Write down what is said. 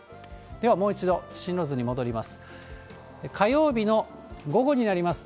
では、もう一度進路図に戻ります。